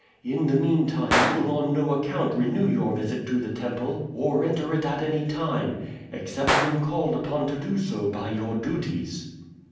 In the meantime you will on no account renew your visit to the temple or enter it at any time, except when called upon to do so by your duties."